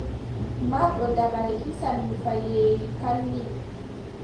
Marɗo dabare hisan nufayeeji kalliɗi.